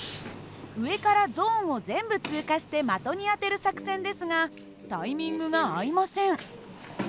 上からゾーンを全部通過して的に当てる作戦ですがタイミングが合いません。